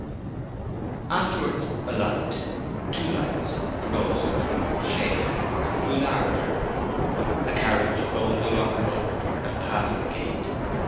Afterwards a light—two lights—arose from the remote shade, and grew larger. A carriage rolled along the road, and passed the gate.